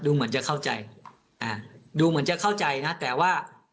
เหมือนจะเข้าใจอ่าดูเหมือนจะเข้าใจนะแต่ว่า